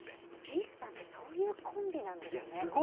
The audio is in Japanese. ピースさんってそういうコンビなんですね。